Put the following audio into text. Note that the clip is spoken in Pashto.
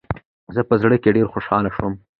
زه په زړه کې ډېره خوشحاله شوم .